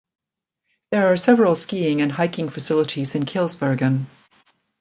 There are several skiing and hiking facilities in Kilsbergen.